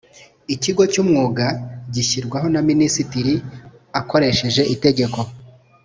ikigo cy umwuga gishyirwaho na minisitiri akoresheje itegeko